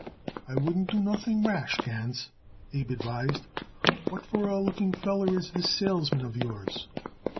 "I wouldn't do nothing rash, Gans," Abe advised. "What for a looking feller is this salesman of yours?"